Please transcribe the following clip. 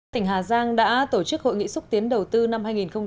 tỉnh hà giang đã tổ chức hội nghị xúc tiến đầu tư năm hai nghìn một mươi bảy